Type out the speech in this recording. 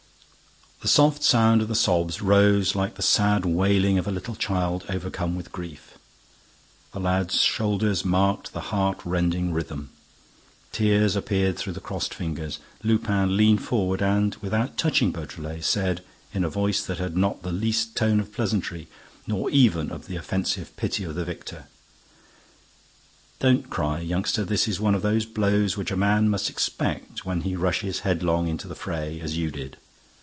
The soft sound of the sobs rose like the sad wailing of a little child overcome with grief. The lad's shoulders marked the heart rending rhythm. Tears appeared through the crossed fingers. Lupin leaned forward and, without touching Beautrelet, said, in a voice that had not the least tone of pleasantry, nor even of the offensive pity of the victor: "Don't cry, youngster. This is one of those blows which a man must expect when he rushes headlong into the fray, as you did.